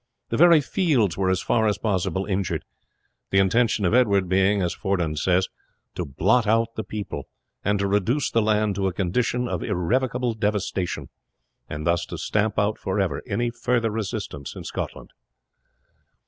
The very fields were as far as possible injured the intention of Edward being, as Fordun says, to blot out the people, and to reduce the land to a condition of irrecoverable devastation, and thus to stamp out for ever any further resistance in Scotland.